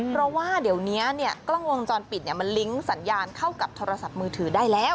เพราะว่าเดี๋ยวนี้กล้องวงจรปิดมันลิงก์สัญญาณเข้ากับโทรศัพท์มือถือได้แล้ว